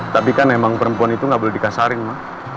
tapi kan emang perempuan itu gak boleh dikasarin ma